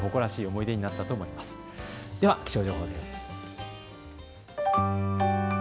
では気象予報です。